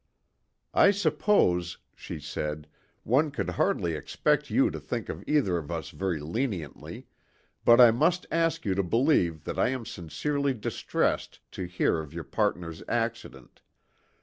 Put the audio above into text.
"I suppose," she said, "one could hardly expect you to think of either of us very leniently; but I must ask you to believe that I am sincerely distressed to hear of your partner's accident.